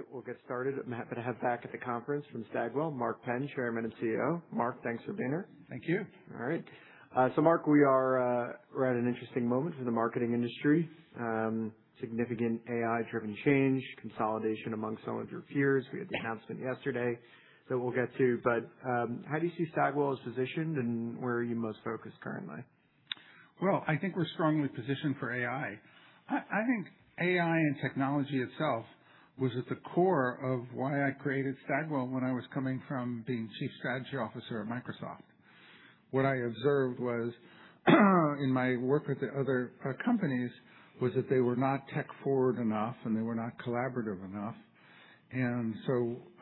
All right, we'll get started. I'm happy to have back at the conference from Stagwell, Mark Penn, Chairman and CEO. Mark, thanks for being here. Thank you. All right. Mark, we are, we're at an interesting moment for the marketing industry. Significant AI-driven change, consolidation among some of your peers. We had the announcement yesterday that we'll get to, but how do you see Stagwell is positioned, and where are you most focused currently? Well, I think we're strongly positioned for AI. I think AI and technology itself was at the core of why I created Stagwell when I was coming from being Chief Strategy Officer at Microsoft. What I observed was, in my work with the other companies, was that they were not tech forward enough, and they were not collaborative enough.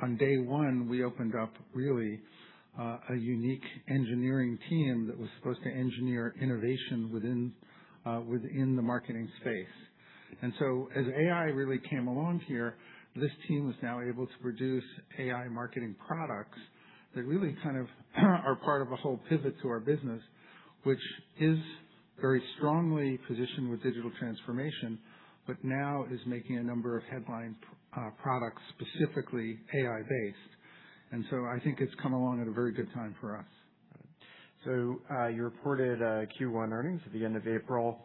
On day one, we opened up really a unique engineering team that was supposed to engineer innovation within the marketing space. As AI really came along here, this team was now able to produce AI marketing products that really kind of are part of a whole pivot to our business, which is very strongly positioned with digital transformation, but now is making a number of headline products, specifically AI-based. I think it's come along at a very good time for us. You reported Q1 earnings at the end of April.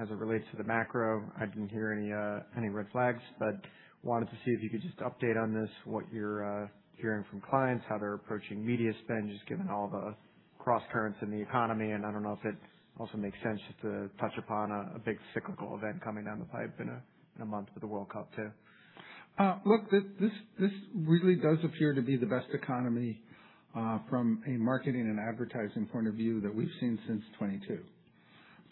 As it relates to the macro, I didn't hear any red flags, but wanted to see if you could just update on this, what you're hearing from clients, how they're approaching media spend, just given all the crosscurrents in the economy. I don't know if it also makes sense just to touch upon a big cyclical event coming down the pipe in a month with the World Cup too. Look, this really does appear to be the best economy from a marketing and advertising point of view that we've seen since 2022.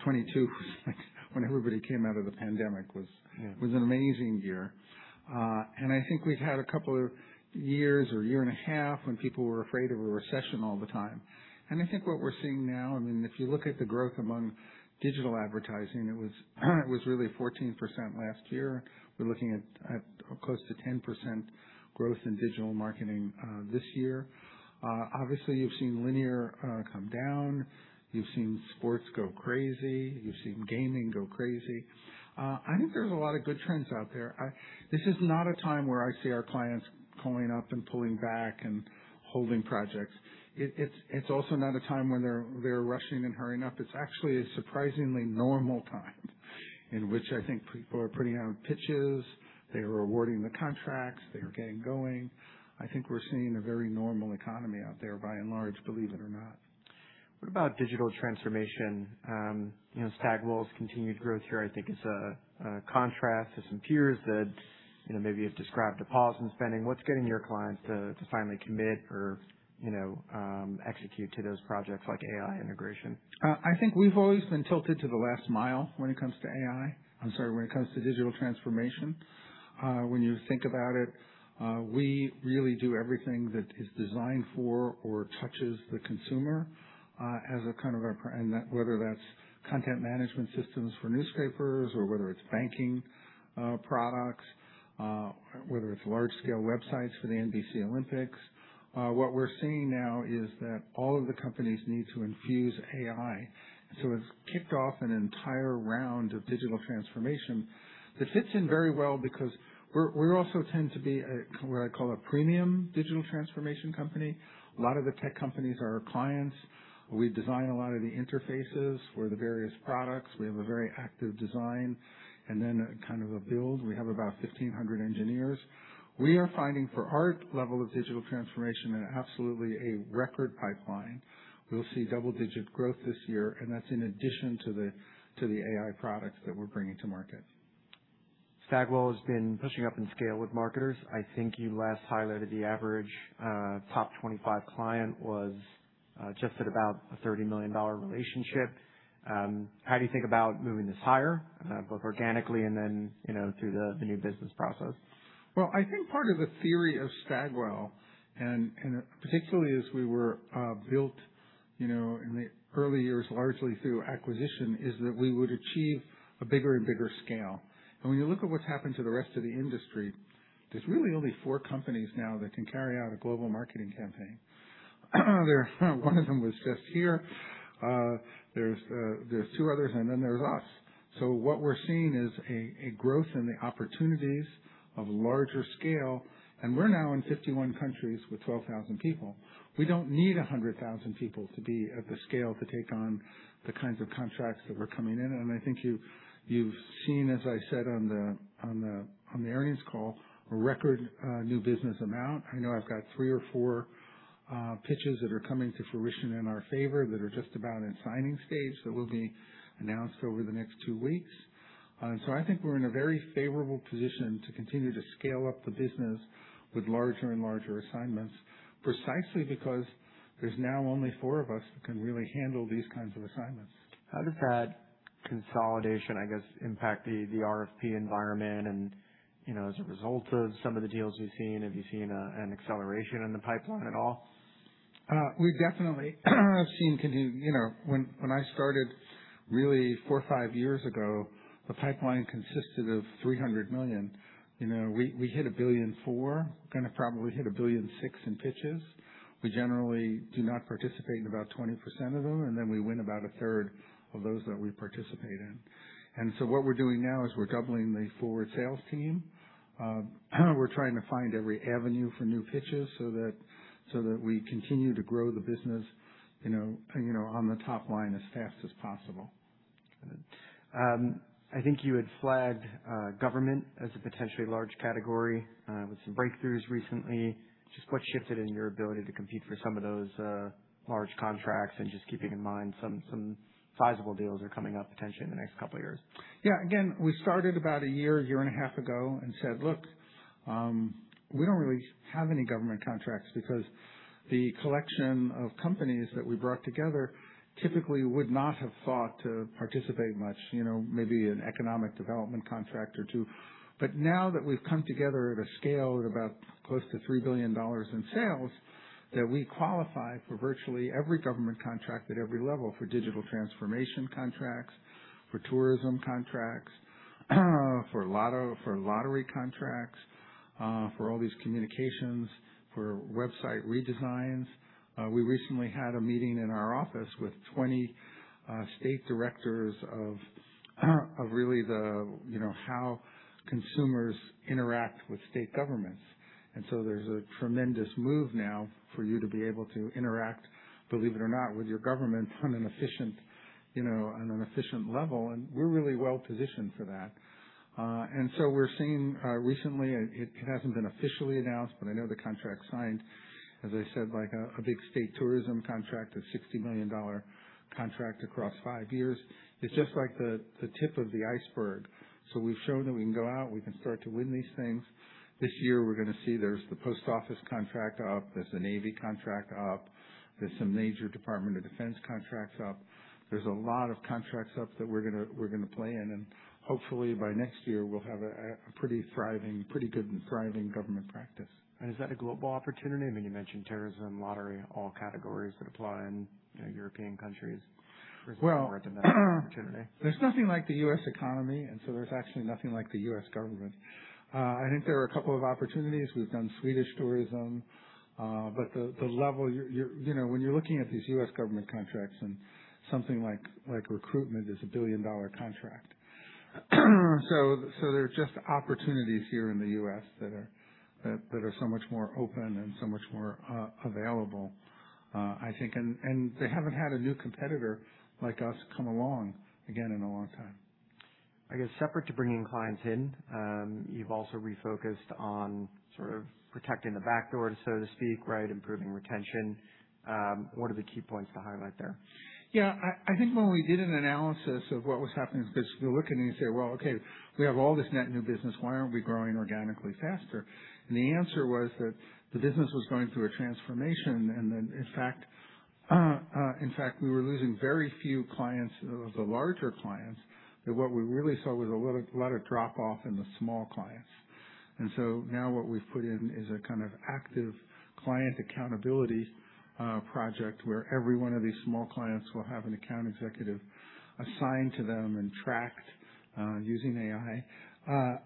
2022 was like when everybody came out of the pandemic. Yeah. It was an amazing year. I think we've had a couple of years or a year and a half when people were afraid of a recession all the time. I think what we're seeing now, I mean, if you look at the growth among digital advertising, it was really 14% last year. We're looking at close to 10% growth in digital marketing this year. Obviously you've seen linear come down. You've seen sports go crazy. You've seen gaming go crazy. I think there's a lot of good trends out there. This is not a time where I see our clients calling up and pulling back and holding projects. It's also not a time when they're rushing and hurrying up. It's actually a surprisingly normal time in which I think people are putting out pitches, they are awarding the contracts, they are getting going. I think we're seeing a very normal economy out there by and large, believe it or not. What about digital transformation? You know, Stagwell's continued growth here, I think is a contrast to some peers that, you know, maybe have described a pause in spending. What's getting your clients to finally commit or, execute to those projects like AI integration? I think we've always been tilted to the last mile when it comes to AI. I'm sorry, when it comes to digital transformation. When you think about it, we really do everything that is designed for or touches the consumer, whether that's content management systems for newspapers or whether it's banking products, whether it's large scale websites for the NBC Olympics. What we're seeing now is that all of the companies need to infuse AI. It's kicked off an entire round of digital transformation that fits in very well because we also tend to be a, what I call a premium digital transformation company. A lot of the tech companies are our clients. We design a lot of the interfaces for the various products. We have a very active design and then a kind of a build. We have about 1,500 engineers. We are finding for our level of digital transformation at absolutely a record pipeline. That's in addition to the AI products that we're bringing to market. Stagwell has been pushing up in scale with marketers. I think you last highlighted the average, top 25 client was just at about a $30 million relationship. How do you think about moving this higher, both organically and then, you know, through the new business process? I think part of the theory of Stagwell, and particularly as we were built, you know, in the early years, largely through acquisition, is that we would achieve a bigger and bigger scale. When you look at what's happened to the rest of the industry, there's really only four companies now that can carry out a global marketing campaign. One of them was just here. There's two others, and then there's us. What we're seeing is a growth in the opportunities of larger scale, and we're now in 51 countries with 12,000 people. We don't need 100,000 people to be at the scale to take on the kinds of contracts that were coming in. I think you've seen, as I said on the earnings call, a record new business amount. I know I've got three or four pitches that are coming to fruition in our favor that are just about in signing stage, that will be announced over the next two weeks. I think we're in a very favorable position to continue to scale up the business with larger and larger assignments, precisely because there's now only four of us that can really handle these kinds of assignments. How does that consolidation, I guess, impact the RFP environment? You know, as a result of some of the deals we've seen, have you seen an acceleration in the pipeline at all? We've definitely seen, you know, when I started really four or five years ago, the pipeline consisted of $300 million. You know, we hit $1.4 billion, gonna probably hit $1.6 billion in pitches. We generally do not participate in about 20% of them, then we win about 1/3 of those that we participate in. What we're doing now is we're doubling the forward sales team. We're trying to find every avenue for new pitches so that we continue to grow the business, you know, you know, on the top line as fast as possible. I think you had flagged government as a potentially large category with some breakthroughs recently. Just what shifted in your ability to compete for some of those large contracts and just keeping in mind some sizable deals are coming up potentially in the next couple of years. Yeah, again, we started about one year, one and a half years ago and said, Look, we don't really have any government contracts because the collection of companies that we brought together typically would not have thought to participate much, you know, maybe an economic development contract or two. Now that we've come together at a scale at about close to $3 billion in sales, that we qualify for virtually every government contract at every level for digital transformation contracts, for tourism contracts, for lottery contracts, for all these communications, for website redesigns. We recently had a meeting in our office with 20 state directors of really the, you know, how consumers interact with state governments. There's a tremendous move now for you to be able to interact, believe it or not, with your government on an efficient, you know, on an efficient level, and we're really well-positioned for that. We're seeing, recently, it hasn't been officially announced, but I know the contract's signed, as I said, like a big state tourism contract, a $60 million contract across five years. It's just like the tip of the iceberg. We've shown that we can go out, we can start to win these things. This year we're gonna see there's the post office contract up, there's a Navy contract up, there's some major Department of Defense contracts up. There's a lot of contracts up that we're gonna play in, and hopefully by next year we'll have a pretty thriving, pretty good and thriving government practice. Is that a global opportunity? I mean, you mentioned tourism, lottery, all categories that apply in, you know, European countries opportunity. There's nothing like the U.S. economy, there's actually nothing like the U.S. government. I think there are a couple of opportunities. We've done Swedish tourism, but the level you know, when you're looking at these U.S. government contracts and something like recruitment is a $1 billion contract. There's just opportunities here in the U.S. that are so much more open and so much more available, I think. They haven't had a new competitor like us come along again in a long time. I guess separate to bringing clients in, you've also refocused on sort of protecting the backdoor, so to speak, right? Improving retention. What are the key points to highlight there? I think when we did an analysis of what was happening with business, we're looking and you say, 'Well, okay, we have all this net new business. Why aren't we growing organically faster?' The answer was that the business was going through a transformation. In fact, we were losing very few clients of the larger clients, but what we really saw was a lot of drop off in the small clients. Now what we've put in is a kind of active client accountability project, where every one of these small clients will have an account executive assigned to them and tracked, using AI,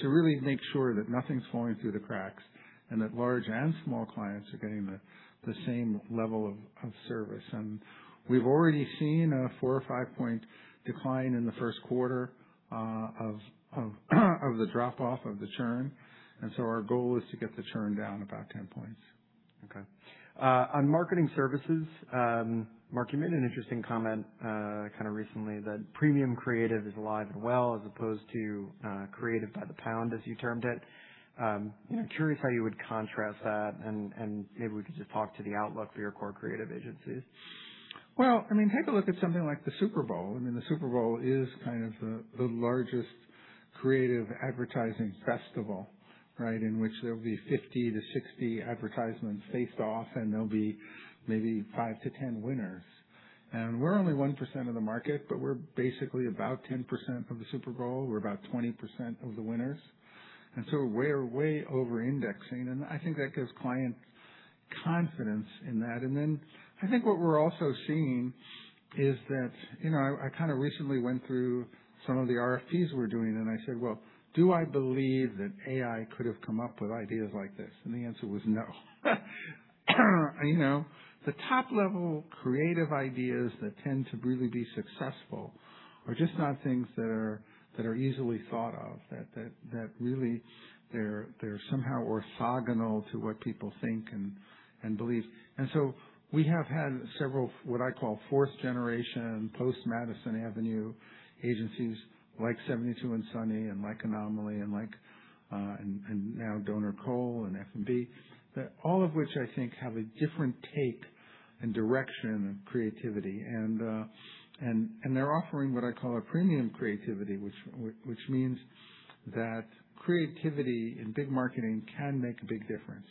to really make sure that nothing's falling through the cracks and that large and small clients are getting the same level of service. We've already seen a 4- or 5-point decline in the first quarter of the drop off of the churn. Our goal is to get the churn down about 10 points. Okay. On marketing services, Mark, you made an interesting comment, kinda recently that premium creative is alive and well as opposed to creative by the pound, as you termed it. You know, curious how you would contrast that, and maybe we could just talk to the outlook for your core creative agencies. Well, I mean, take a look at something like the Super Bowl. I mean, the Super Bowl is kind of the largest creative advertising festival, right? In which there'll be 50 to 60 advertisements faced off, and there'll be maybe five to 10 winners. We're only 1% of the market, but we're basically about 10% of the Super Bowl. We're about 20% of the winners. We're way over-indexing, and I think that gives clients confidence in that. I think what we're also seeing is that, you know, I kind of recently went through some of the RFPs we're doing, and I said: Well, do I believe that AI could have come up with ideas like this? The answer was no. You know, the top-level creative ideas that tend to really be successful are just not things that are easily thought of, that really they're somehow orthogonal to what people think and believe. We have had several, what I call fourth generation post Madison Avenue agencies like 72andSunny and like Anomaly and like Doner, Code and Theory and F&B, all of which I think have a different take and direction of creativity and they're offering what I call a premium creativity, which means that creativity in big marketing can make a big difference,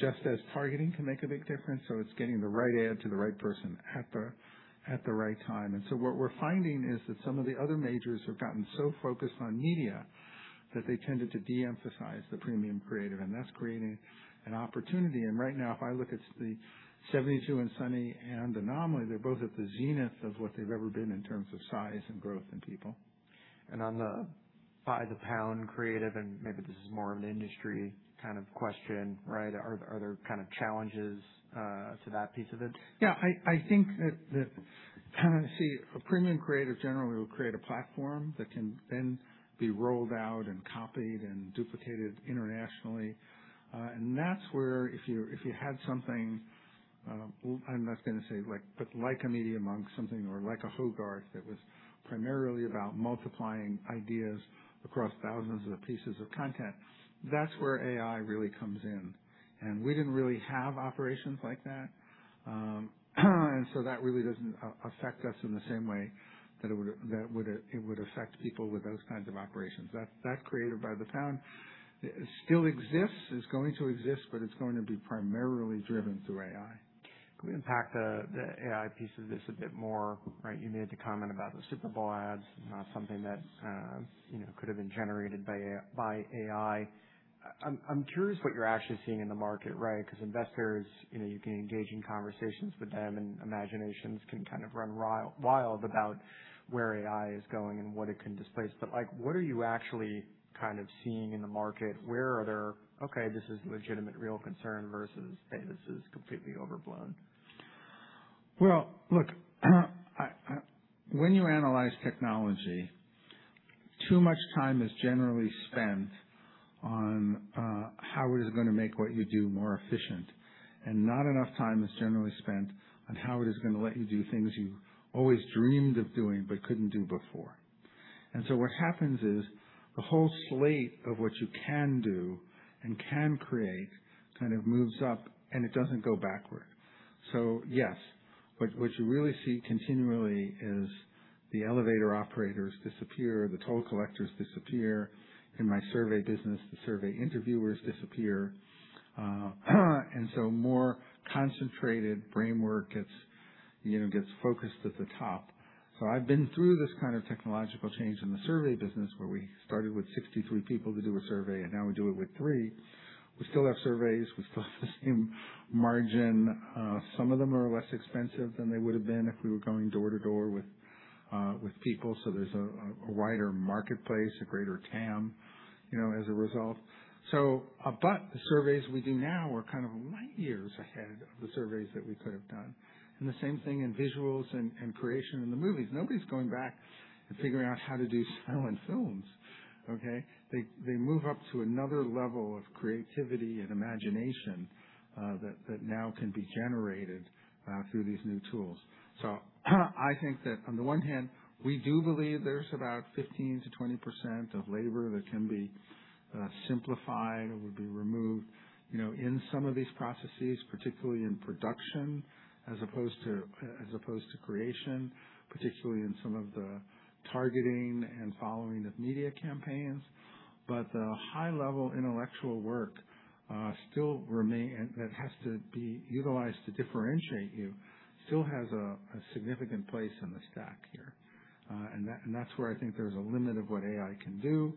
just as targeting can make a big difference. It's getting the right ad to the right person at the right time. What we're finding is that some of the other majors have gotten so focused on media that they tended to de-emphasize the premium creative, and that's creating an opportunity. Right now, if I look at the 72andSunny and Anomaly, they're both at the zenith of what they've ever been in terms of size and growth in people. On the by-the-pound creative, and maybe this is more of an industry kind of question, right? Are there kind of challenges to that piece of it? Yeah. I think that the Kinda see a premium creative generally will create a platform that can then be rolled out and copied and duplicated internationally. That's where if you, if you had something, well, I'm not gonna say like, but like a Media.Monks, something or like a Hogarth that was primarily about multiplying ideas across thousands of pieces of content. That's where AI really comes in. We didn't really have operations like that. That really doesn't affect us in the same way that it would, it would affect people with those kinds of operations. That creative by the pound still exists, is going to exist, but it's going to be primarily driven through AI. Can we unpack the AI piece of this a bit more, right? You made the comment about the Super Bowl ads, not something that, you know, could have been generated by AI. I'm curious what you're actually seeing in the market, right? Investors, you know, you can engage in conversations with them, and imaginations can kind of run wild about where AI is going and what it can displace. Like, what are you actually kind of seeing in the market? Where are there, okay, this is legitimate real concern versus, hey, this is completely overblown? Well, look, when you analyze technology, too much time is generally spent on how it is gonna make what you do more efficient, and not enough time is generally spent on how it is gonna let you do things you've always dreamed of doing but couldn't do before. What happens is the whole slate of what you can do and can create kind of moves up, and it doesn't go backward. Yes, what you really see continually is the elevator operators disappear, the toll collectors disappear. In my survey business, the survey interviewers disappear. More concentrated brainwork gets, you know, focused at the top. I've been through this kind of technological change in the survey business, where we started with 63 people to do a survey, and now we do it with three. We still have surveys. We still have the same margin. Some of them are less expensive than they would've been if we were going door to door with people. There's a wider marketplace, a greater TAM, you know, as a result. The surveys we do now are kind of light years ahead of the surveys that we could have done. The same thing in visuals and creation in the movies. Nobody's going back and figuring out how to do silent films. Okay. They move up to another level of creativity and imagination that now can be generated through these new tools. I think that on the one hand, we do believe there's about 15% to 20% of labor that can be simplified or would be removed, you know, in some of these processes, particularly in production as opposed to creation, particularly in some of the targeting and following of media campaigns. The high-level intellectual work still remain that has to be utilized to differentiate you, still has a significant place in the stack here. And that's where I think there's a limit of what AI can do,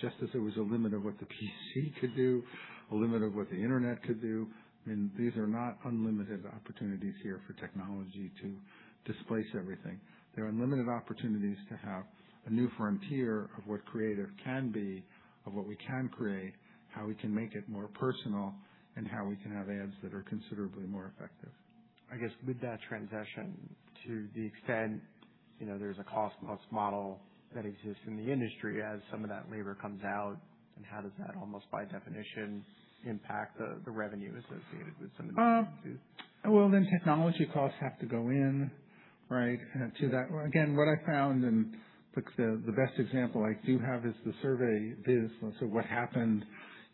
just as there was a limit of what the PC could do, a limit of what the internet could do. I mean, these are not unlimited opportunities here for technology to displace everything. There are unlimited opportunities to have a new frontier of what creative can be, of what we can create, how we can make it more personal, and how we can have ads that are considerably more effective. I guess with that transition to the extent, you know, there's a cost-plus model that exists in the industry as some of that labor comes out, and how does that almost by definition impact the revenue associated with some of these? Technology costs have to go in, right? To that, what I found and the best example I do have is the survey biz. What happened,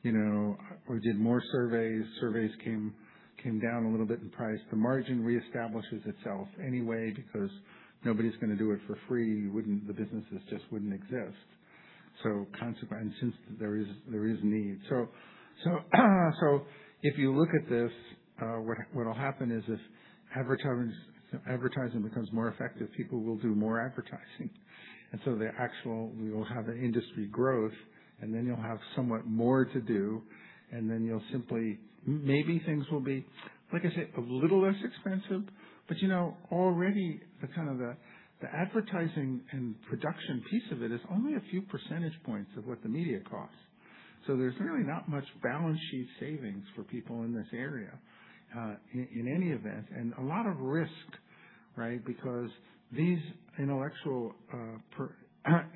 you know, we did more surveys. Surveys came down a little bit in price. The margin reestablishes itself anyway because nobody's gonna do it for free. The businesses just wouldn't exist. Since there is need. If you look at this, what'll happen is if advertising becomes more effective, people will do more advertising. The actual We will have an industry growth, you'll have somewhat more to do, you'll simply Maybe things will be, like I said, a little less expensive. You know, already the kind of the advertising and production piece of it is only a few percentage points of what the media costs. There's really not much balance sheet savings for people in this area, in any event. A lot of risk, right? Because these intellectual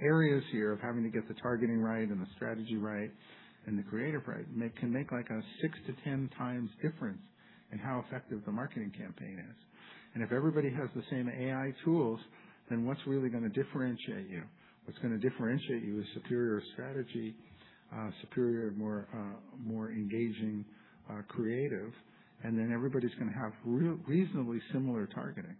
areas here of having to get the targeting right and the strategy right and the creative right, can make like a six to 10 times difference in how effective the marketing campaign is. If everybody has the same AI tools, then what's really gonna differentiate you? What's gonna differentiate you is superior strategy, superior more, more engaging, creative, everybody's gonna have reasonably similar targeting.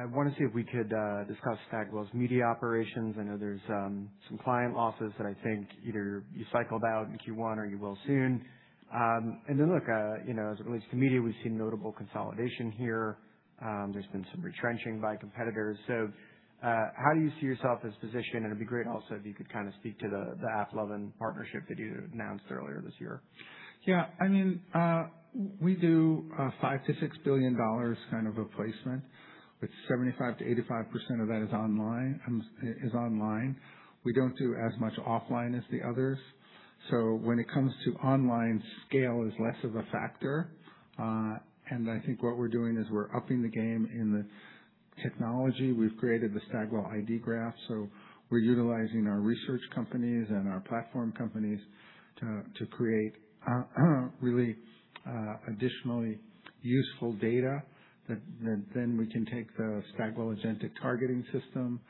I wanna see if we could discuss Stagwell's media operations. I know there's some client losses that I think either you cycled out in Q1 or you will soon. Look, you know, as it relates to media, we've seen notable consolidation here. There's been some retrenching by competitors. How do you see yourself as positioned? It'd be great also if you could kinda speak to the AppLovin partnership that you announced earlier this year. Yeah, I mean, we do $5-6 billion kind of replacement, but 75%-85% of that is online, is online. When it comes to online, scale is less of a factor. I think what we're doing is we're upping the game in the technology. We've created the Stagwell ID Graph, we're utilizing our research companies and our platform companies to create really additionally useful data that then we can take the Stagwell Agentic Targeting System,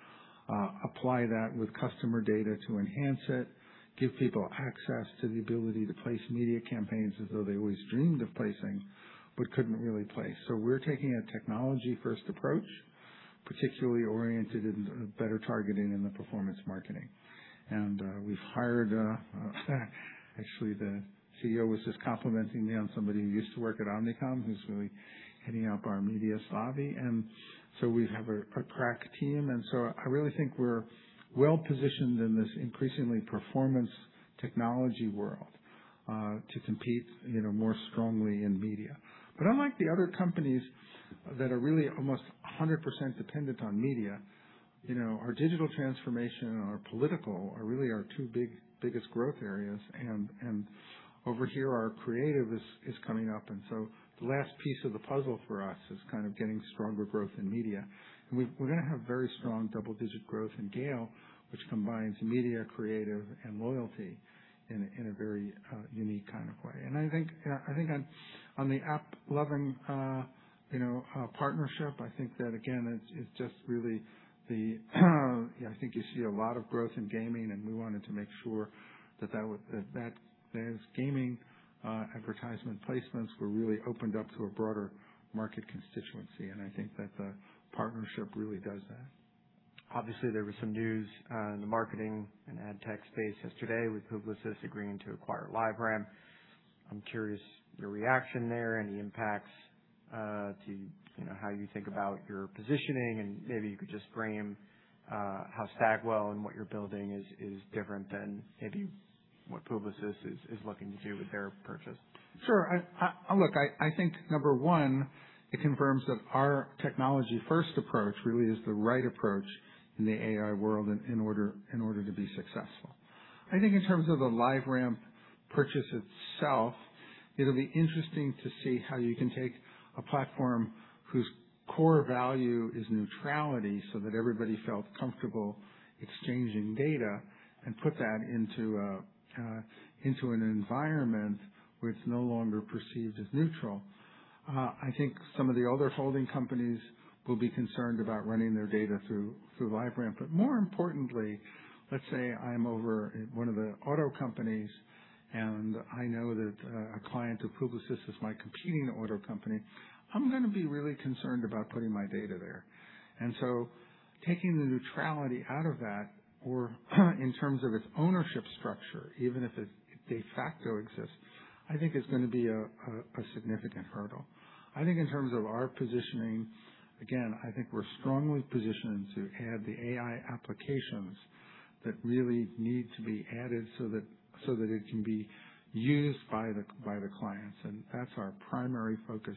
apply that with customer data to enhance it, give people access to the ability to place media campaigns as though they always dreamed of placing, but couldn't really place. We're taking a technology-first approach, particularly oriented in better targeting in the performance marketing. We've hired, actually the CEO was just complimenting me on somebody who used to work at Omnicom, who's really heading up our media-savvy. We have a crack team, so I really think we're well-positioned in this increasingly performance marketing world to compete, you know, more strongly in media. Unlike the other companies that are really almost 100% dependent on media, you know, our digital transformation and our political are really our two biggest growth areas. Over here, our creative is coming up. The last piece of the puzzle for us is kind of getting stronger growth in media. We're gonna have very strong double-digit growth in GALE, which combines media, creative, and loyalty in a very unique kind of way. I think, I think on the AppLovin, you know, partnership, I think that again, it's just really the, you know, I think you see a lot of growth in gaming, and we wanted to make sure that those gaming, advertisement placements were really opened up to a broader market constituency. I think that the partnership really does that. Obviously, there was some news in the marketing and ad tech space yesterday with Publicis agreeing to acquire LiveRamp. I'm curious your reaction there, any impacts to, you know, how you think about your positioning and maybe you could just frame how Stagwell and what you're building is different than maybe what Publicis is looking to do with their purchase. Sure. I think number one, it confirms that our technology-first approach really is the right approach in the AI world in order to be successful. I think in terms of the LiveRamp purchase itself, it'll be interesting to see how you can take a platform whose core value is neutrality so that everybody felt comfortable exchanging data and put that into an environment where it's no longer perceived as neutral. I think some of the other holding companies will be concerned about running their data through LiveRamp. More importantly, let's say I'm over at one of the auto companies, and I know that a client of Publicis is my competing auto company. I'm gonna be really concerned about putting my data there. Taking the neutrality out of that or, in terms of its ownership structure, even if it de facto exists, I think is gonna be a significant hurdle. I think in terms of our positioning, again, I think we're strongly positioned to add the AI applications that really need to be added so that it can be used by the clients, and that's our primary focus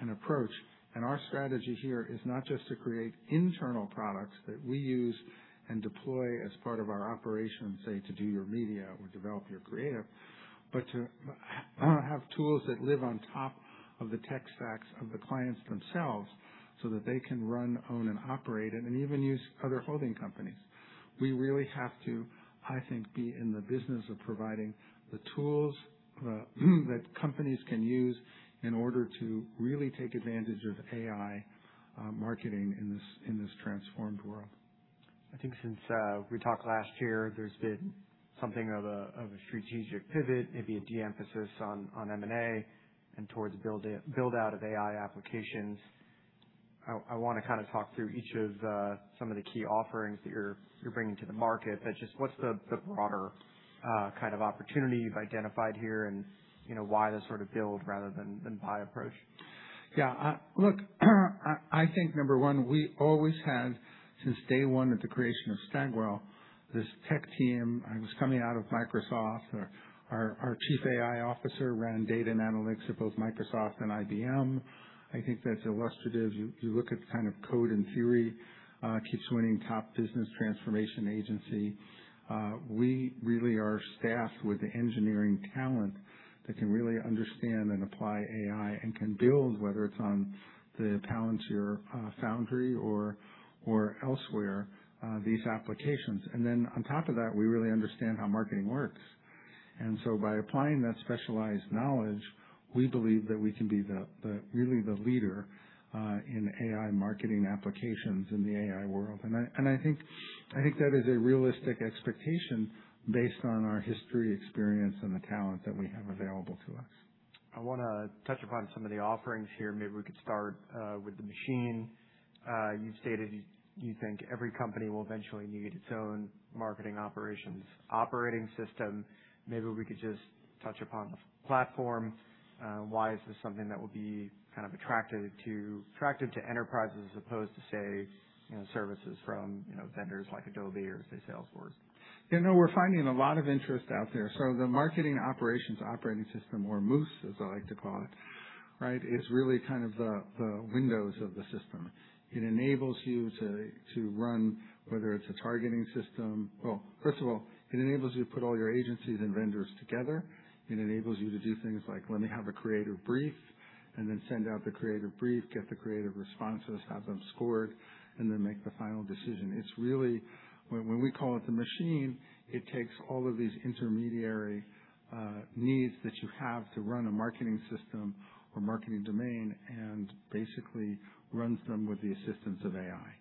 and approach. Our strategy here is not just to create internal products that we use and deploy as part of our operation, say, to do your media or develop your creative, but to have tools that live on top of the tech stacks of the clients themselves so that they can run, own, and operate and even use other holding companies. We really have to, I think, be in the business of providing the tools, that companies can use in order to really take advantage of AI, marketing in this transformed world. I think since we talked last year, there's been something of a, of a strategic pivot, maybe a de-emphasis on M&A and towards build-out of AI applications. I wanna kind of talk through each of some of the key offerings that you're bringing to the market. Just what's the broader kind of opportunity you've identified here and, you know, why this sort of build rather than buy approach? Yeah. Look, I think number one, we always have, since day one at the creation of Stagwell, this tech team. I was coming out of Microsoft. Our chief AI officer ran data and analytics at both Microsoft and IBM. I think that's illustrative. You look at kind of Code and Theory keeps winning top business transformation agency. We really are staffed with engineering talent that can really understand and apply AI and can build, whether it's on the Palantir Foundry or elsewhere, these applications. Then on top of that, we really understand how marketing works. By applying that specialized knowledge, we believe that we can be really the leader in AI marketing applications in the AI world. I think that is a realistic expectation based on our history, experience, and the talent that we have available to us. I wanna touch upon some of the offerings here. Maybe we could start with The Machine. You stated you think every company will eventually need its own marketing operations operating system. Maybe we could just touch upon the platform. Why is this something that would be kind of attractive to enterprises as opposed to say, you know, services from, you know, vendors like Adobe or say, Salesforce? You know, we're finding a lot of interest out there. The marketing operations operating system or MOOS, as I like to call it. Right? It's really kind of the windows of the system. It enables you to run, whether it's a targeting system. Well, first of all, it enables you to put all your agencies and vendors together. It enables you to do things like let me have a creative brief and then send out the creative brief, get the creative responses, have them scored, and then make the final decision. When we call it The Machine, it takes all of these intermediary needs that you have to run a marketing system or marketing domain and basically runs them with the assistance of AI.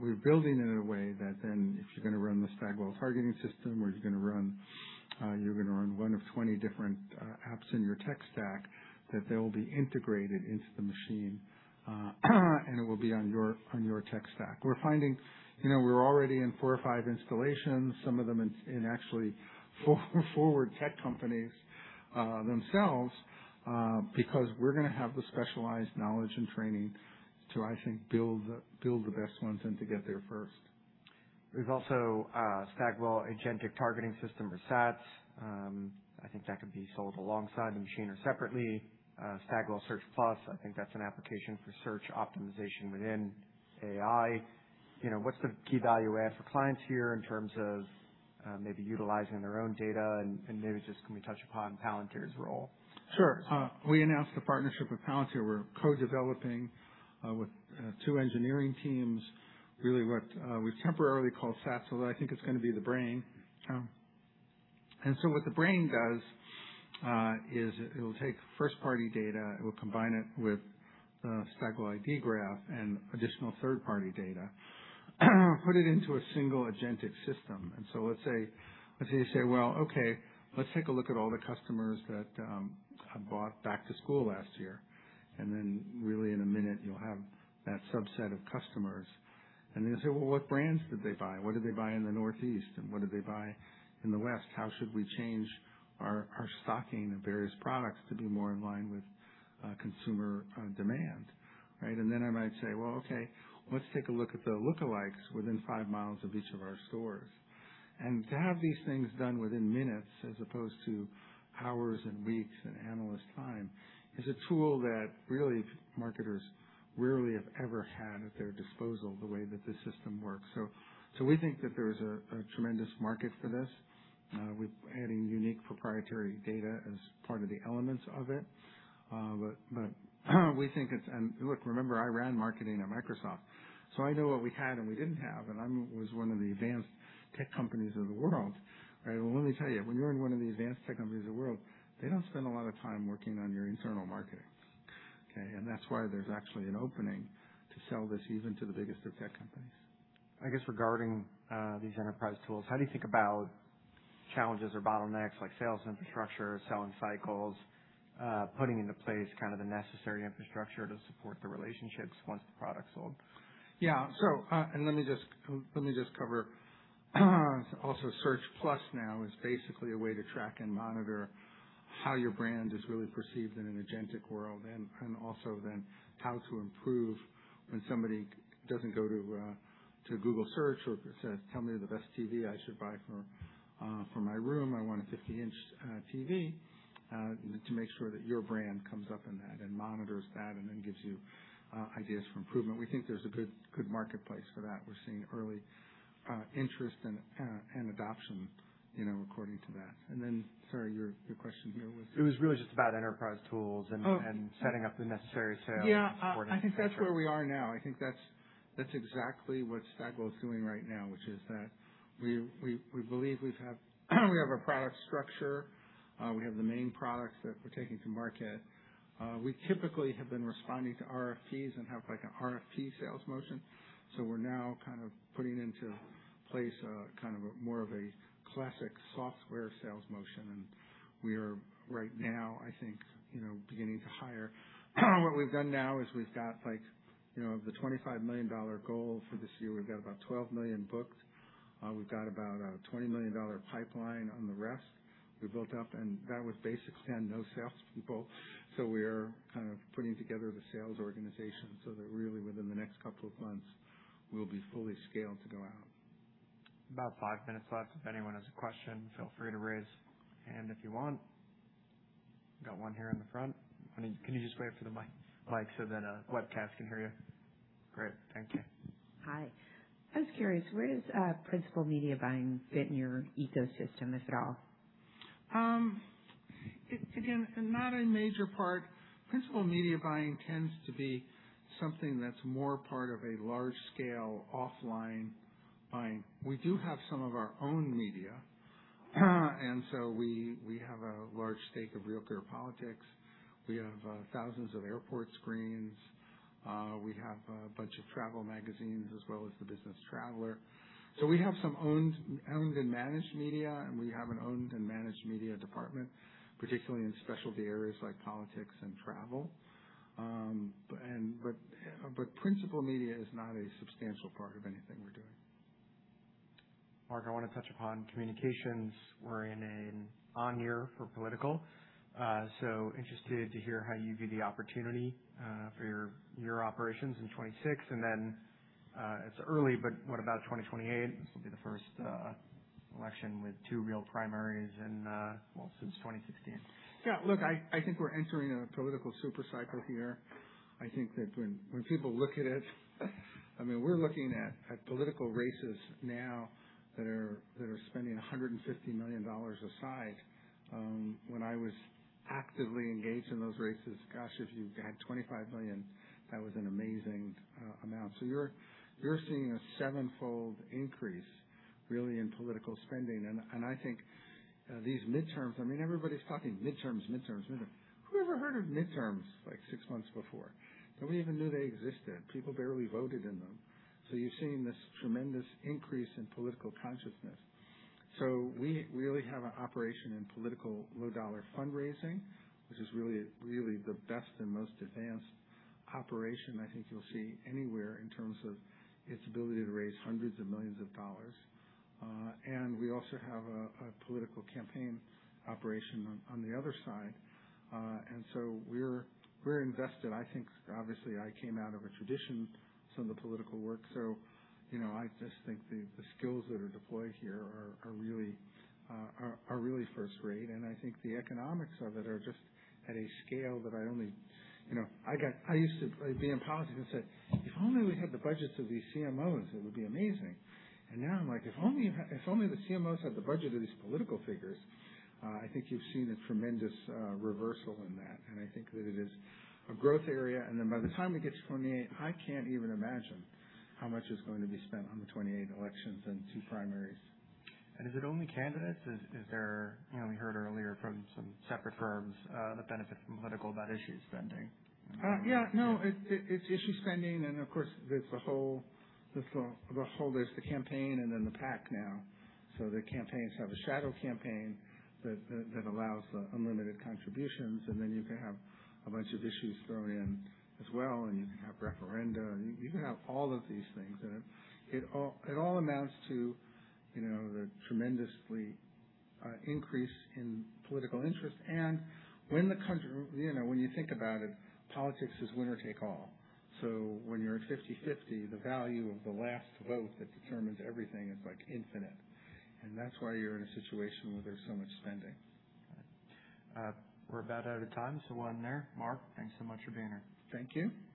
We're building it in a way that if you're gonna run the Stagwell agentic targeting system or you're gonna run one of 20 different apps in your tech stack, that they'll be integrated into The Machine, and it will be on your tech stack. We're finding, you know, we're already in four or five installations, some of them in actually forward tech companies themselves, because we're gonna have the specialized knowledge and training to, I think, build the best ones and to get there first. There's also Stagwell Agentic Targeting System, or SATS. I think that could be sold alongside The Machine or separately. Stagwell Search Plus, I think that's an application for search optimization within AI. You know, what's the key value add for clients here in terms of maybe utilizing their own data and maybe just can we touch upon Palantir's role? Sure. We announced a partnership with Palantir. We're co-developing with two engineering teams, really what we've temporarily called SATS, although I think it's gonna be the brain. What the brain does is it'll take first-party data, it will combine it with the Stagwell ID Graph and additional third-party data, put it into a single agentic system. Let's say you say, "Well, okay, let's take a look at all the customers that have bought back to school last year." Really in a minute you'll have that subset of customers. You'll say, "Well, what brands did they buy? What did they buy in the Northeast, and what did they buy in the West? How should we change our stocking of various products to be more in line with consumer demand?" Right? I might say, "Well, okay, let's take a look at the lookalikes within 5 miles of each of our stores." To have these things done within minutes, as opposed to hours and weeks and analyst time, is a tool that really marketers rarely have ever had at their disposal the way that this system works. We think that there's a tremendous market for this with adding unique proprietary data as part of the elements of it. We think it's. Look, remember, I ran marketing at Microsoft, so I know what we had and we didn't have, and was one of the advanced tech companies in the world, right? Let me tell you, when you're in one of the advanced tech companies in the world, they don't spend a lot of time working on your internal marketing, okay? That's why there's actually an opening to sell this even to the biggest of tech companies. I guess regarding these enterprise tools, how do you think about challenges or bottlenecks like sales infrastructure, selling cycles, putting into place kind of the necessary infrastructure to support the relationships once the product's sold? Yeah. Let me just, let me just cover, also Search Plus now is basically a way to track and monitor how your brand is really perceived in an agentic world and also then how to improve when somebody doesn't go to Google Search or says, "Tell me the best TV I should buy for my room. I want a 50-inch TV," to make sure that your brand comes up in that and monitors that and then gives you ideas for improvement. We think there's a good marketplace for that. We're seeing early interest and adoption, you know, according to that. Sorry, your question here was? It was really just about enterprise tools. Oh. Setting up the necessary sales Yeah. Support infrastructure. I think that's where we are now. I think that's exactly what Stagwell's doing right now, which is that we believe we have our product structure. We have the main products that we're taking to market. We typically have been responding to RFPs and have like an RFP sales motion. We're now kind of putting into place a more of a classic software sales motion, and we are right now, I think, you know, beginning to hire. What we've done now is we've got like, you know, of the $25 million goal for this year, we've got about $12 million booked. We've got about a $20 million pipeline on the rest we built up, and that was basically on no salespeople. We're kind of putting together the sales organization so that really within the next two months we'll be fully scaled to go out. About five minutes left. If anyone has a question, feel free to raise your hand if you want. Got one here in the front. Can you just wait for the mic so that webcast can hear you? Great. Thank you. Hi. I was curious, where does principal media buying fit in your ecosystem, if at all? Again, not a major part. Principal media buying tends to be something that's more part of a large scale offline buying. We do have some of our own media, and so we have a large stake of RealClearPolitics. We have thousands of airport screens. We have a bunch of travel magazines as well as the Business Traveller. We have some owned and managed media, and we have an owned and managed media department, particularly in specialty areas like politics and travel. Principal media is not a substantial part of anything we're doing. Mark, I wanna touch upon communications. We're in an on year for political, so interested to hear how you view the opportunity for your operations in 2026. It's early, but what about 2028? This will be the first election with two real primaries in, well, since 2016. Yeah. Look, I think we're entering a political super cycle here. I think that when people look at it, I mean, we're looking at political races now that are spending $150 million a side. When I was actively engaged in those races, gosh, if you had $25 million, that was an amazing amount. You're seeing a sevenfold increase really in political spending. I think these midterms, I mean, everybody's talking midterms. Who ever heard of midterms like six months before? Nobody even knew they existed. People barely voted in them. You're seeing this tremendous increase in political consciousness. We really have an operation in political low dollar fundraising, which is really the best and most advanced operation I think you'll see anywhere in terms of its ability to raise hundreds of millions of dollars. We also have a political campaign operation on the other side. We're invested. I think obviously I came out of a tradition, some of the political work. You know, I just think the skills that are deployed here are really first rate. I think the economics of it are just at a scale that I only I used to be in politics and said, "If only we had the budgets of these CMOs, it would be amazing." Now I'm like, "If only, if only the CMOs had the budget of these political figures." I think you've seen a tremendous reversal in that, and I think that it is a growth area. By the time it gets to 28, I can't even imagine how much is going to be spent on the 28 elections and two primaries. Is it only candidates? Is there You know, we heard earlier from some separate firms, the benefit from political about issue spending? Yeah, no, it's issue spending. Of course, there's the whole, there's the whole, there's the campaign and then the PAC now. The campaigns have a shadow campaign that allows unlimited contributions, and then you can have a bunch of issues thrown in as well, and you can have referenda, and you can have all of these things. It all amounts to, you know, the tremendous increase in political interest. When the country, you know, when you think about it, politics is winner take all. When you're at 50/50, the value of the last vote that determines everything is like infinite. That's why you're in a situation where there's so much spending. We're about out of time, so we'll end there. Mark, thanks so much for being here. Thank you. Pleasure.